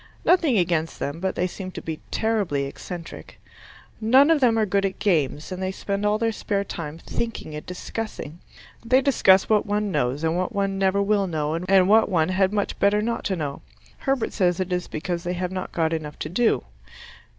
Nothing against them, but they seem to be terribly eccentric. None of them are good at games, and they spend all their spare time thinking and discussing. They discuss what one knows and what one never will know and what one had much better not know. Herbert says it is because they have not got enough to do.